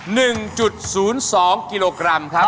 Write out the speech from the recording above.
หนึ่งจุดศูนย์สองกิโลกรัมครับ